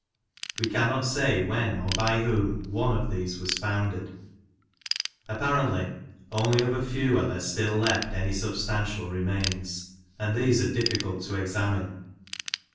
We cannot say when or by whom one of these was founded; apparently only of a few are there still left any substantial remains, and these are difficult to examine.